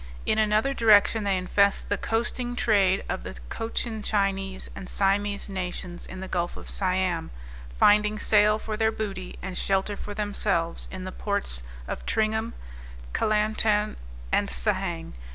In another direction they infest the coasting trade of the Cochin Chinese and Siamese nations in the Gulf of Siam, finding sale for their booty, and shelter for themselves in the ports of Tringham, Calantan and Sahang.